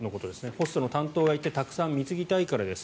ホストの担当がいてたくさん貢ぎたいからです